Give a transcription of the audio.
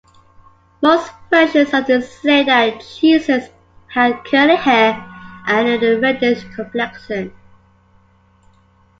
Most versions of this say that "Jesus had curly hair and a reddish complexion".